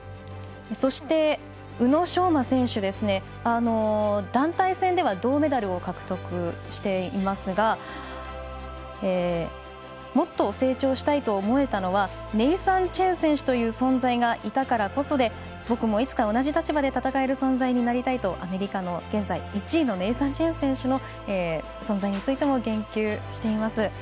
そして、宇野昌磨選手団体戦では銅メダルを獲得していますがもっと成長したいと思えたのはネイサン・チェン選手という存在がいたからこそで僕もいつか同じ立場で戦える選手になりたいとアメリカの現在１位のネイサン・チェン選手の存在についても言及しています。